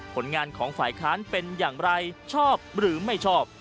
ผลงานของฝ่ายค้านเป็นอย่างไรชอบหรือไม่ชอบ